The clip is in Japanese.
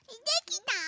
できた！